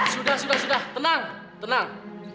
sudah sudah sudah tenang tenang